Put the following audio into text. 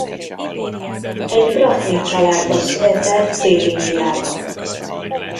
Egy brahmin családba született Dél-Indiában.